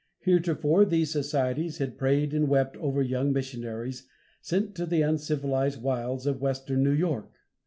Heretofore these societies had prayed and wept over young missionaries sent to the uncivilized wilds of Western New York!